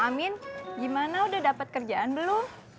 amin gimana udah dapat kerjaan belum